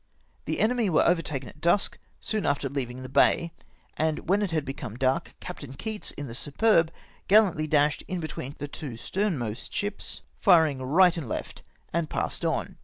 The enemy were overtaken at dusk, soon after leav ing the bay, and when it had become dark. Captain Keats, in the Superb, gallantly dashed in between the two sternmost ships, firing right and left, and passed on.